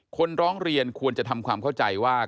คนร้องเรียนควรจะทำความเข้าใจว่า